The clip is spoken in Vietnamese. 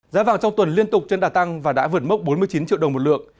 giá vàng trong tuần liên tục trên đà tăng và đã vượt mốc bốn mươi chín triệu đồng một lượng